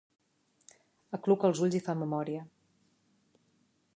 Acluca els ulls i fa memòria.